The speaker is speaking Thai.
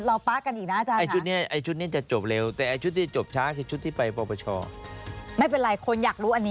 เรามาแล้วอีกเนี่ยอาจารย์